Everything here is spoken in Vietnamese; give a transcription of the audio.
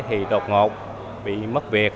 thì đột ngột bị mất việc